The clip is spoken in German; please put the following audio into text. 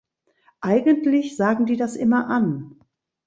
Eigentlich sagen die das immer an.